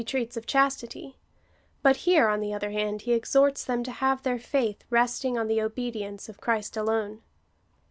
H'3 treats of chastity ; but here, on the other hand, he exhorts them to have their faith resting on the obedience of Christ alone.